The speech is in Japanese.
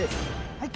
はい。